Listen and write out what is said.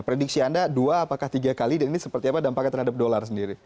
prediksi anda dua apakah tiga kali dan ini seperti apa dampaknya terhadap dolar sendiri